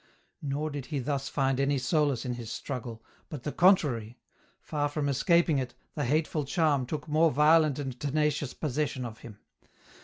Nor did he thus find any solace in his struggle, but the contrary ; far from escaping it, the hateful charm took more violent and tenacious possession of him.